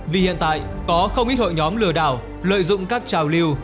vì hiện tại có không ít hội nhóm lừa đảo lợi dụng các trào lưu